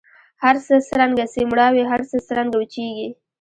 هرڅه څرنګه سي مړاوي هر څه څرنګه وچیږي